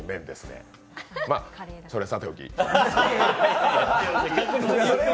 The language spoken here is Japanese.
それはさておき。